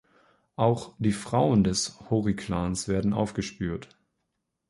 Auch die Frauen des Hori-Clans werden aufgespürt.